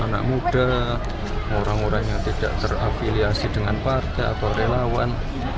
anak muda orang orang yang tidak terafiliasi dengan warga atau relawan